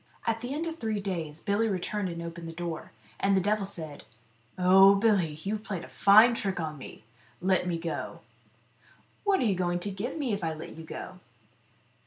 At the end of three days Billy returned and opened the door, and the devil said, " Oh, Billy, you've played a fine trick to me ; let me go." " What are you going to give me if I let you go